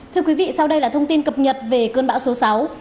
thưa quý vị sau đây là thông tin cập nhật về cơn bão số sáu